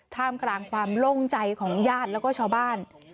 ท่ามกลางความโล่งใจของญาติแล้วก็ชาวบ้าน